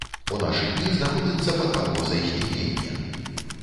У нашы дні знаходзіцца пад пагрозай знікнення.